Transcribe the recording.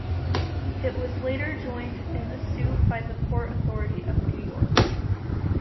It was later joined in the suit by the Port Authority of New York.